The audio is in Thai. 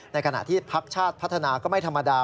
ในขณะที่พักชาติพัฒนาก็ไม่ธรรมดา